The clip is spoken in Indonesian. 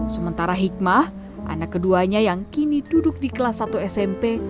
sementara hikmah anak keduanya yang kini duduk di kelas satu smp